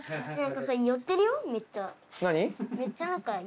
寄ってるよ、めっちゃ。何？